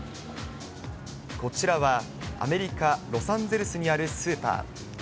こちらは、アメリカ・ロサンゼルスにあるスーパー。